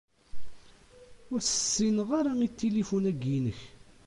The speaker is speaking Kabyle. Ur as-ssineɣ ara i tilifun-agi-inek.